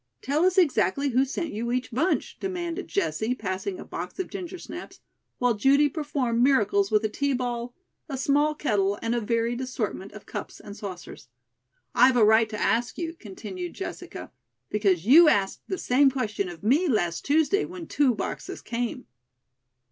"Tell us exactly who sent you each bunch?" demanded Jessie, passing a box of ginger snaps, while Judy performed miracles with a tea ball, a small kettle and a varied assortment of cups and saucers. "I have a right to ask you," continued Jessica, "because you asked the same question of me last Tuesday when two boxes came."